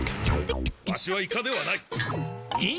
ワシはイカではない。